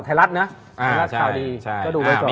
เล็กเล็กเล็ก